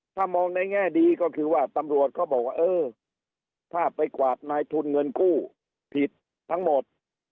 ถ้ามองในแง่ดีก็คือว่าตำรวจเขาบอกว่าเออถ้าไปกวาดนายทุนเงินกู้ผิดทั้งหมด